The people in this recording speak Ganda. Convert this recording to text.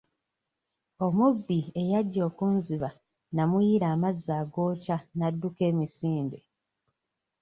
Omubbi eyajja okunziba namuyiira amazzi agookya n'adduka emisinde.